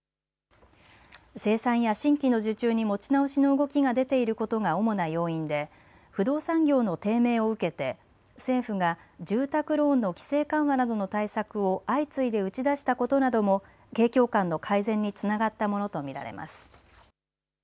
生産や新規の受注に持ち直しの動きが出ていることが主な要因で不動産業の低迷を受けて政府が住宅ローンの規制緩和などの対策を相次いで打ち出したことなども景況感の改善につながったものと見られます。